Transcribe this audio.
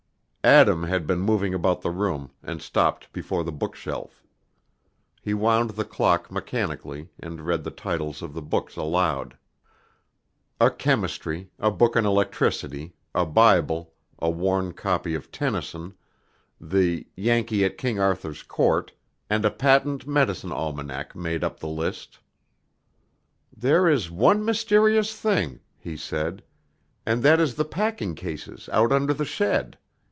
Adam had been moving about the room, and stopped before the bookshelf. He wound the clock mechanically, and read the titles of the books aloud. A chemistry, a book on electricity, a Bible, a worn copy of Tennyson, the "Yankee at King Arthur's Court," and a patent medicine almanac made up the list. "There is one mysterious thing," he said, "and that is the packing cases out under the shed.